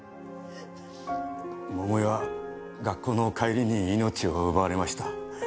桃代は学校の帰りに命を奪われました。